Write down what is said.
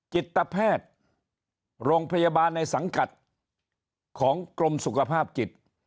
จิตแพทย์โรงพยาบาลในสังกัดของกรมสุขภาพจิต